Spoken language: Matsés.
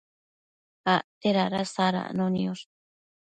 acte dada sadacno niosh